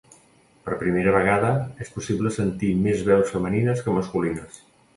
Per primera vegada, és possible sentir més veus femenines que masculines.